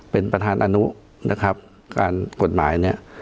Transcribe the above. เป็นประธานอนุนะครับการกฎหมายเนี่ย